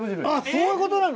そういうことなの？